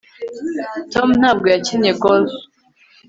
tom ntabwo yakinnye golf